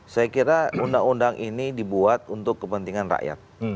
saya kira undang undang ini dibuat untuk kepentingan rakyat